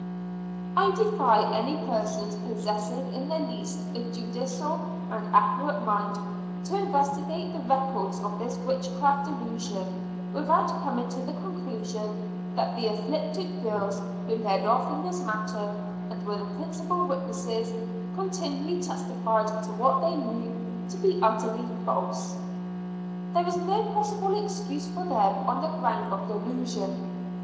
I defy any person possessing in the least a judicial and accurate mind, to investigate the records of this witchcraft delusion without coming to the conclusion that the "afflicted girls," who led off in this matter, and were the principal witnesses, continually testified to what they knew to be utterly false. There is no possible excuse for them on the ground of "delusion."